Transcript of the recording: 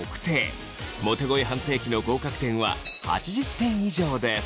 モテ声判定機の合格点は８０点以上です。